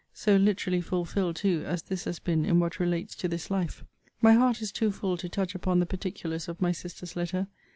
so literally fulfilled too as this has been in what relates to this life! My heart is too full to touch upon the particulars of my sister's letter.